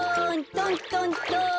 トントントン。